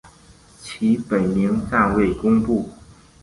其本名暂未公布。